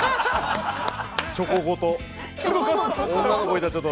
チョコごと。